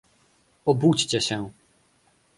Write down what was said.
obudźcie się